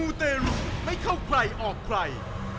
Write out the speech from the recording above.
เตรุไม่เข้าใครออกใคร